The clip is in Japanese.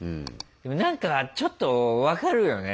でも何かちょっと分かるよね